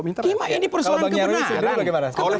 ini persoalan kebenaran